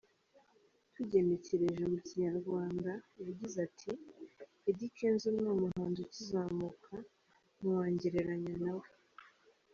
Tugenekereje mu Kinyarwanda yagize ati “Eddy Kenzo ni umuhanzi ukizamuka; ntiwangereranya na we.